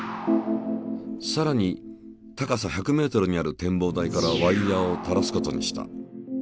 さらに高さ１００ｍにある展望台からワイヤーを垂らすことにした。